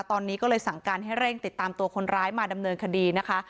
ตอนนี้ก็เลยสั่งการให้เร่งติดตามตัวคนร้ายมาดำเนินคดีนะคะ